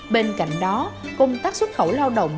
bên cạnh đó công tác xuất khẩu lao động